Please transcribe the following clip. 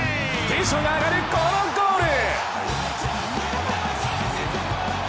テンションが上がる、このゴール！